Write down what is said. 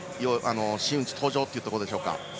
真打ち登場というところでしょうか。